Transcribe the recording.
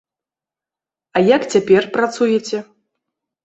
А як цяпер працуеце?